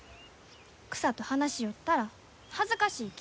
草と話しよったら恥ずかしいき。